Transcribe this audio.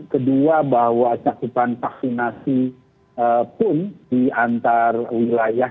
kedua bahwa cakupan vaksinasi pun di antar wilayah